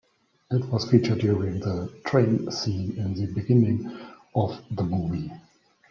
It was featured during the train scene in the beginning of the movie.